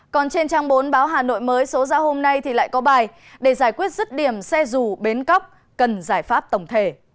còn trên trang bốn báo hà nội mới số ra hôm nay thì lại có bài để giải quyết rứt điểm xe dù bến cóc cần giải pháp tổng thể